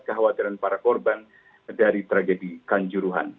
kekhawatiran para korban dari tragedi kanjuruhan